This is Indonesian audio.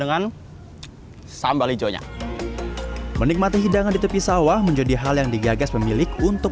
dengan sambal hijaunya menikmati hidangan di tepi sawah menjadi hal yang digagas pemilik untuk